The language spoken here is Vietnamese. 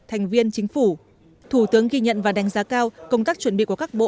thành viên chính phủ thủ tướng ghi nhận và đánh giá cao công tác chuẩn bị của các bộ